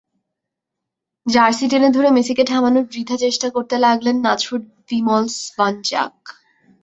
Jersey টেনে ধরে মেসিকে থামানোর বৃথা চেষ্টা করতে লাগলেন নাছোড় ভিলমস ভাঞ্চজাক।